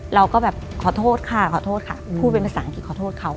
เราก็แบบขอโทษค่ะขอโทษค่ะพูดเป็นภาษาอังกฤษขอโทษเขา